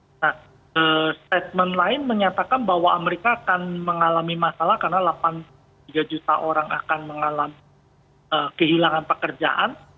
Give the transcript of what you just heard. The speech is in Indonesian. nah statement lain menyatakan bahwa amerika akan mengalami masalah karena delapan puluh tiga juta orang akan mengalami kehilangan pekerjaan